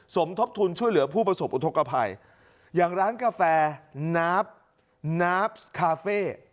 สมทบทุนช่วยเหลือผู้ประสบอุทธกภัยอย่างร้านกาแฟน้าน้ำคาเฟ่